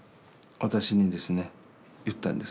私にですね言ったんです。